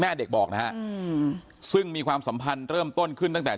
เชิงชู้สาวกับผอโรงเรียนคนนี้